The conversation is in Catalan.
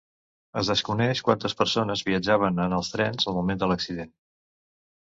Es desconeix quantes persones viatjaven en els trens al moment de l’accident.